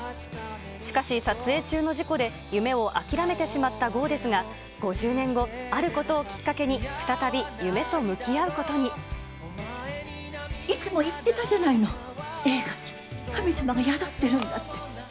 しかし、撮影中の事故で、夢を諦めてしまったゴウですが、５０年後、あることをきっかけに、いつも言ってたじゃないの、映画には神様が宿ってるんだって。